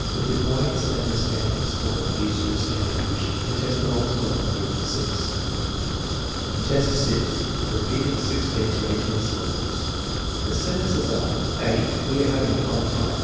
With the coins and the standard of scoring used in the Stanford revision the test belongs well in year VI. 6. Repeating sixteen to eighteen syllables The sentences are: (a) "We are having a fine time.